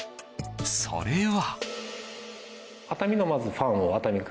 それは。